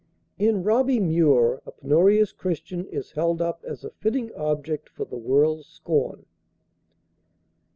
In Robbie Muir, a penurious Christian is held up as a fitting object for the world's scorn.